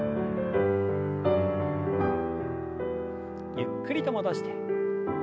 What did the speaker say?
ゆっくりと戻して。